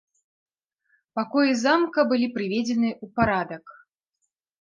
Пакоі замка былі прыведзены ў парадак.